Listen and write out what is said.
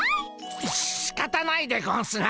しかたないでゴンスな。